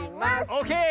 オーケー！